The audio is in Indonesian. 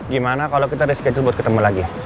gimana kalau kita reschedule buat ketemu lagi